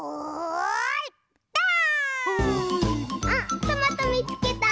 あトマトみつけた！